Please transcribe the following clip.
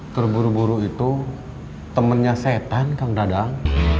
terburu buru itu temannya setan kang dadang